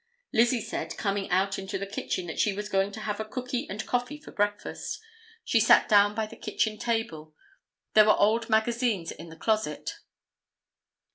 Lizzie said, coming out into the kitchen, that she was going to have a cookie and coffee for breakfast. She sat down by the kitchen table. There were old magazines in the closet.